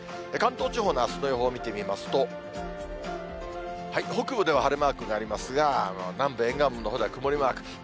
関東地方のあすの予報見てみますと、北部では晴れマークがありますが、南部沿岸部のほうでは曇りマーク。